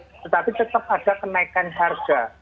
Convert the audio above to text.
tetapi tetap ada kenaikan harga